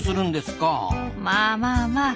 まあまあまあ。